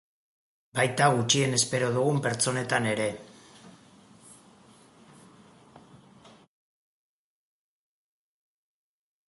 Baita gutxien espero dugun pertsonetan ere.